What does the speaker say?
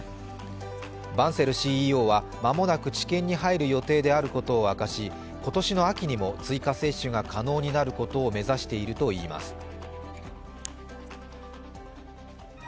バンセルＣＥＯは間もなく治験に入ることを明かし、今年の秋にも追加接種が可能になることを目指しているといいます。